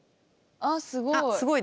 あっすごい。